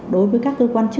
đối với các cơ quan chính phủ